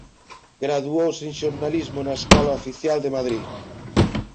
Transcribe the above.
Graduouse en xornalismo na Escola Oficial de Madrid.